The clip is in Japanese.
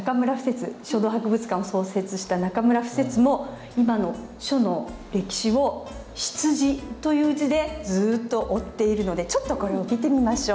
書道博物館を創設した中村不折も今の書の歴史を「羊」という字でずっと追っているのでちょっとこれを見てみましょう。